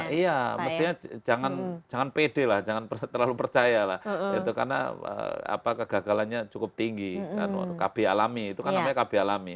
iya mestinya jangan pede lah jangan terlalu percaya lah karena kegagalannya cukup tinggi kan kb alami itu kan namanya kb alami